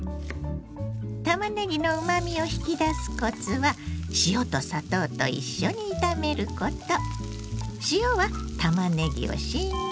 たまねぎのうまみを引き出すコツは塩と砂糖と一緒に炒めること。